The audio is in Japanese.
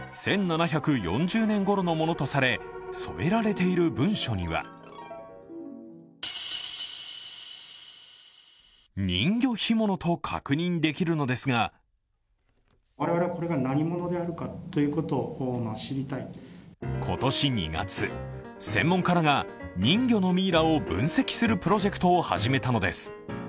１７４０年ごろのものとされ、添えられている文書には「人魚干物」と確認できるのですが今年２月、専門家らが人魚のミイラを分析するプロジェクトを始めたのです。